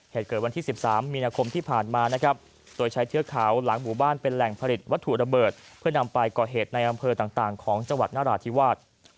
เหตุเกิดวันที่๑๓มีนาคมที่ผ่านมานะครับโดยใช้เทือกเขาหลังหมู่บ้านเป็นแหล่งผลิตวัตถุระเบิดเพื่อนำไปก่อเหตุในอำเภอต่างของจังหวัดนราธิวาส